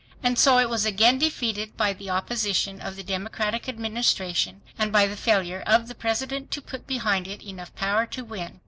And so it was again defeated by the opposition of the Democratic Administration, and by the failure of the President to put behind it enough power to win.